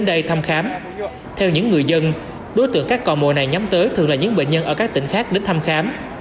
đối tượng các cò mồi này nhóm tới thường là những bệnh nhân ở các tỉnh khác đến thăm khám